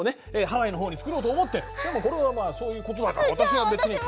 ハワイのほうに作ろうと思ってでもこれはまあそういうことだから私は別に。